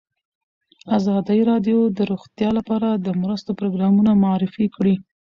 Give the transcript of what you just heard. ازادي راډیو د روغتیا لپاره د مرستو پروګرامونه معرفي کړي.